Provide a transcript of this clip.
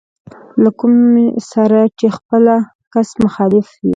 له کوم سره چې خپله کس مخالف وي.